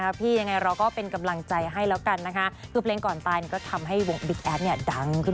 ในการแบบเจ็บปวดหัวใจอุตส่าห์แต่งเองแล้วก็โดนลิขสิทธิ์